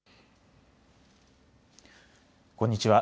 こんにちは。